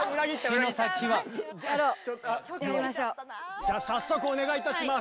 じゃ早速お願いいたします！